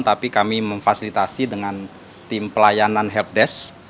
tapi kami memfasilitasi dengan tim pelayanan helpdesk